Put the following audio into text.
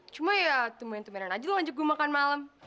cuma ya temenin temenin aja lo lanjut gue makan malam